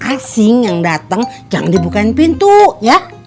asing yang datang jangan dibukain pintu ya